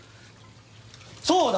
そうだ！